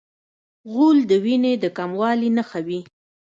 غول د وینې د کموالي نښه وي.